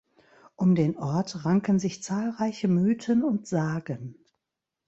Um den Ort ranken sich zahlreiche Mythen und Sagen.